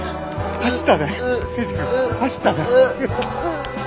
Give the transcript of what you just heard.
走った！